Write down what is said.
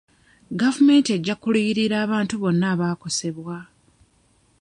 Gavumenti ejja kuliyirira abantu bonna abaakosebwa.